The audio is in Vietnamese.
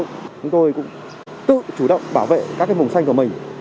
chúng tôi cũng tự chủ động bảo vệ các vùng xanh của mình